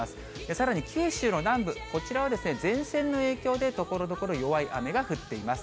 さらに、九州の南部、こちらは前線の影響で、ところどころ弱い雨が降っています。